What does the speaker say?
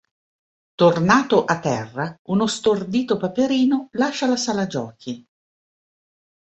Tornato a terra, uno stordito Paperino lascia la sala giochi.